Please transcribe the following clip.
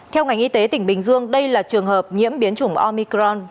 theo ngành y tế tỉnh bình dương đây là trường hợp nhiễm biến chủng omicron